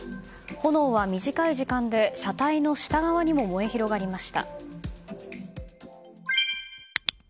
炎は短い時間で車体の下側にも燃え広がりました。